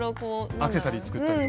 アクセサリー作ったりとか。